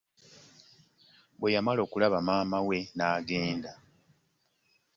Bweyamala okulaba maama we n'agenda.